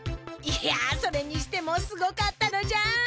いやそれにしてもすごかったのじゃ！